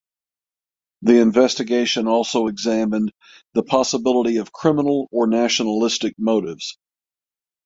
The investigation also examined the possibility of criminal or nationalistic motives.